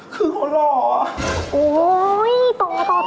คือเขาหล่อ